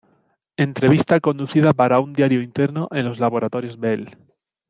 Entrevista conducida para un diario interno en los Laboratorios Bell.